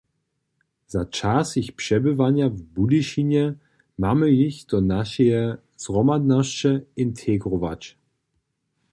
Za čas jich přebywanja w Budyšinje mamy jich do našeje zhromadnosće integrować.